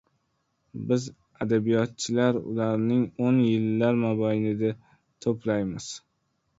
Biz, adabiyotchilar ularni oʻn yillar mobaynida toʻplaymiz.